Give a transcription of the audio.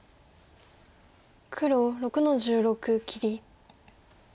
黒６の十六切り。